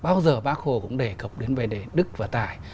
bao giờ bác hồ cũng đề cập đến vấn đề đức và tài